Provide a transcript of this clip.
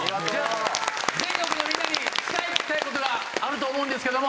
全国のみんなに伝えたい事があると思うんですけども。